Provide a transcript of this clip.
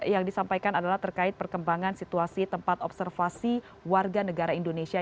yang disampaikan adalah terkait perkembangan situasi tempat observasi warga negara indonesia